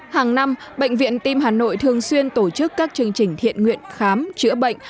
hàng năm bệnh viện tim hà nội thường xuyên tổ chức các chương trình thiện nguyện khám chữa bệnh